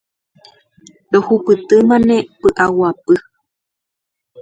Rohupytýnema pyʼaguapy.